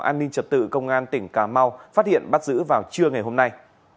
an ninh trật tự công an tỉnh cà mau phát hiện bắt giữ vào trưa ngày hôm nay